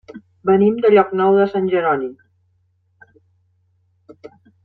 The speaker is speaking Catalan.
Venim de Llocnou de Sant Jeroni.